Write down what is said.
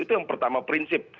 itu yang pertama prinsip